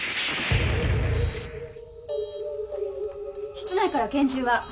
室内から拳銃は？